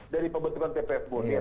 dari pembentukan tppbunir